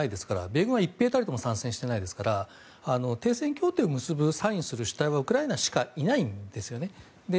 米軍は１兵たりとも参戦していませんから停戦交渉を結ぶサインする主体はウクライナしかいないんですね。